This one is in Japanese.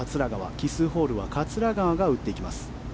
奇数ホールは桂川が打っていきます。